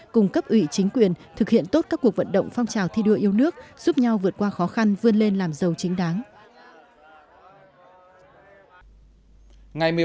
cung cấp ủy chính quyền thực hiện tốt các cuộc vận động phong trào thi đua yêu nước giúp nhau vượt qua khó khăn vươn lên làm giàu chính đáng